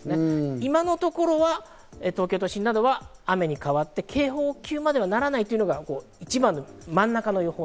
今のところは東京都心などは雨に変わって、警報級まではならないというのが真ん中の予報。